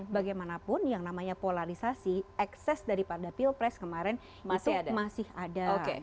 bagaimanapun yang namanya polarisasi ekses daripada pilpres kemarin itu masih ada